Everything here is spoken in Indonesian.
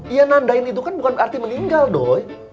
iya nandain itu kan bukan berarti meninggal dong